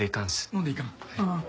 飲んでいかんうん。